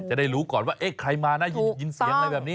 จะได้รู้ก่อนว่าเอ๊ะใครมานะยินเสียงอะไรแบบนี้